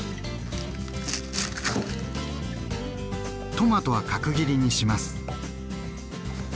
トマトは角切りにします。